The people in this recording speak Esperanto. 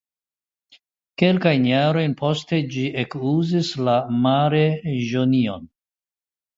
Kelkajn jarojn poste ĝi ekuzis la Mare Jonion.